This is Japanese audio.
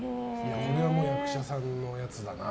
これは役者さんのやつだな。